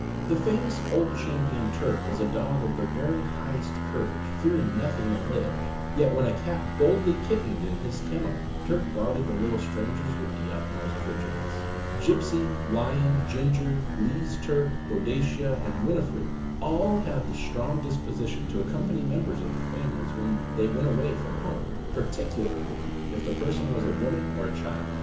The famous Old Champion Turk was a dog of the very highest courage, fearing nothing that lived, yet when a cat boldly kittened in his kennel, Turk guarded the little strangers with the utmost vigilance. Gipsey, Lion, Ginger, Lee's Turk, Boadicea, and Winifred all had the strong disposition to accompany members of the families when they went away from home, particularly if the person was a woman or a child.